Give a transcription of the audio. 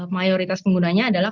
mayoritas penggunanya adalah